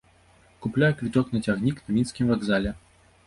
Купляю квіток на цягнік на мінскім вакзале.